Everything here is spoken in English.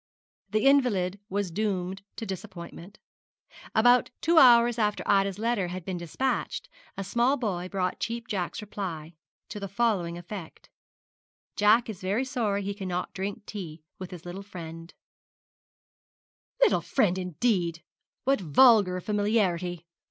The invalid was doomed to disappointment. About two hours after Ida's letter had been despatched, a small boy brought Cheap Jack's reply, to the following effect: 'Jack is very sorry he cannot drink tea with his little friend ' 'Little friend, indeed! What vulgar familiarity!'